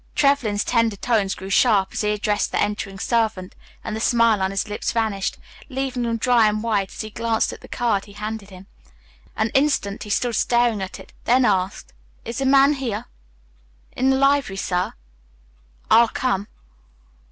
Trevlyn's tender tones grew sharp as he addressed the entering servant, and the smile on his lips vanished, leaving them dry and white as he glanced at the card he handed him. An instant he stood staring at it, then asked, "Is the man here?" "In the library, sir." "I'll come."